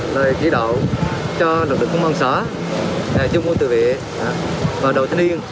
và chỉ đạo cho lực lượng công an xã chung quân tự vệ và đầu thân yên